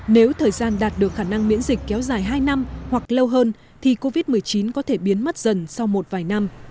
nếu thời gian đạt được khả năng miễn dịch kéo dài hai năm hoặc lâu hơn thì covid một mươi chín có thể biến mất dần sau một vài năm